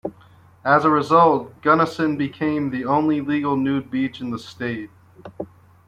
As a result, Gunnison became the only legal nude beach in the state.